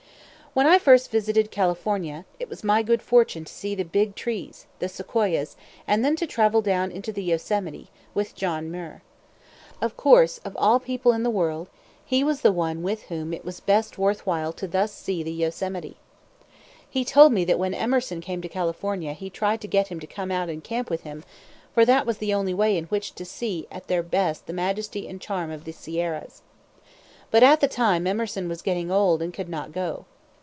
When I first visited California, it was my good fortune to see the "big trees," the Sequoias, and then to travel down into the Yosemite, with John Muir. Of course of all people in the world he was the one with whom it was best worth while thus to see the Yosemite. He told me that when Emerson came to California he tried to get him to come out and camp with him, for that was the only way in which to see at their best the majesty and charm of the Sierras. But at the time Emerson was getting old and could not go.